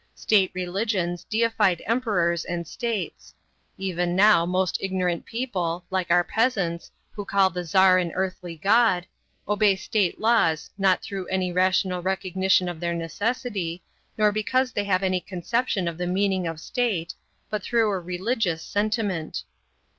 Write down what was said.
State religions deified emperors and states. Even now most ignorant people like our peasants, who call the Tzar an earthly god obey state laws, not through any rational recognition of their necessity, nor because they have any conception of the meaning of state, but through a religious sentiment.